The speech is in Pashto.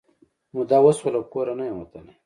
موده وشوه له کور نه یم وتلې